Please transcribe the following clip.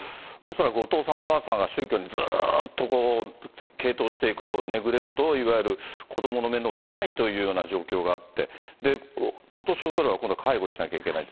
恐らくお父さん、お母さんが宗教にずっと傾倒していくとネグレクト、子どもの面倒を見ないというような状況があって、お年を取れば、今度は介護をしないといけない。